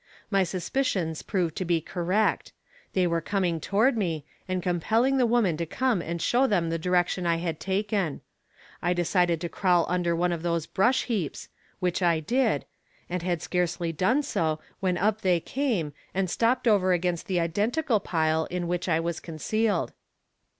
My suspicions proved to be correct. They were coming toward me, and compelling the woman to come and show them the direction I had taken; I decided to crawl under one of those brush heaps, which I did, and had scarcely done so, when up they came and stopped over against the identical pile in which I was concealed.